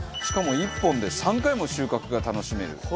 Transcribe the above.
しかも１本で３回も収穫が楽しめる。